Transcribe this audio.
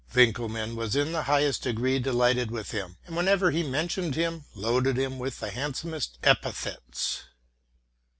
Winckelmann was in the highest degree delighted with him, and, whenever he mentioned him, loaded him with the handsomest epithets.